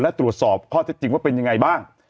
และตรวจสอบข้อเท็จจริงว่าเป็นยังไงบ้าง